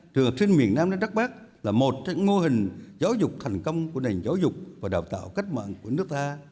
trường học sinh miền nam đến đất bắc là một trong mô hình giáo dục thành công của nền giáo dục và đào tạo cách mạng của nước ta